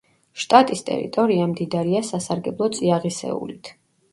შტატის ტერიტორია მდიდარია სასარგებლო წიაღისეულით.